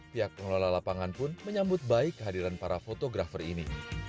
pihak pengelola lapangan pun menyambut baik kehadiran para fotografer ini